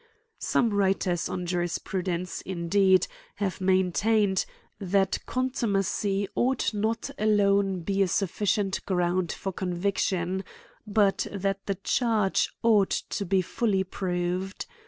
Some writers on Jurispru dence, indeed, have maintained, that contumacy 2Sa A COMMENTARY 6^ ought not alone to be a sufficient ground for con ^ viction ; but, that the charge ought to be fully proved.